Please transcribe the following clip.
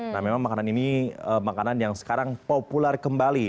nah memang makanan ini makanan yang sekarang populer kembali